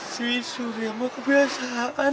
si surya mah kebiasaan